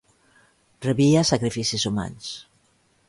Rebia sacrificis humans.